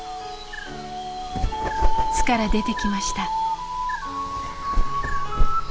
巣から出てきました。